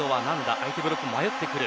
相手ブロックは迷ってくる。